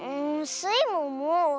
スイもおもう。